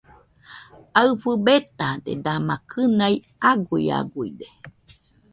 Aɨfɨ betade, dama kɨnaɨ aguiaguide.